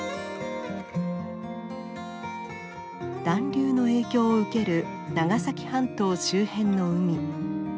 暖流の影響を受ける長崎半島周辺の海。